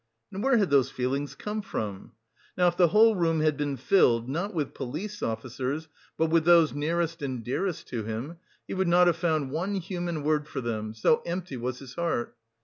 And where had those feelings come from? Now if the whole room had been filled, not with police officers, but with those nearest and dearest to him, he would not have found one human word for them, so empty was his heart.